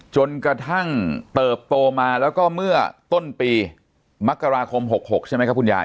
จนกระทั่งเติบโตมาแล้วก็เมื่อต้นปีมกราคม๖๖ใช่ไหมครับคุณยาย